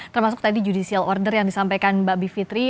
termasuk tadi judicial order yang disampaikan mbak bivitri